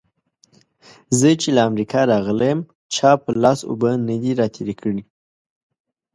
زه چې له امريکا راغلی يم؛ چا پر لاس اوبه نه دې راتېرې کړې.